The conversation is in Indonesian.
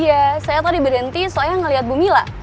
iya saya tadi berhenti soalnya ngeliat bu mila